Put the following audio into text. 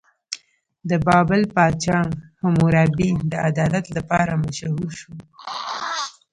د بابل پاچا حموربي د عدالت لپاره مشهور شو.